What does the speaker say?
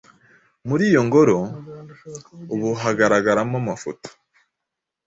Muri iyo ngoro, ubu hagaragaramo amafoto